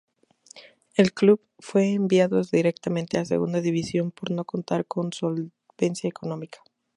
El club fue enviado directamente a Segunda División por no contar con solvencia económica.